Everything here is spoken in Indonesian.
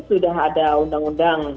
sudah ada undang undang